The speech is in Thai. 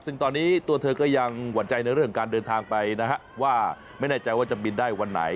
ซึ่งตอนนี้ตัวเธอก็ยังหวั่นใจในเรื่องการเดินทางไปนะฮะว่าไม่แน่ใจว่าจะบินได้วันไหน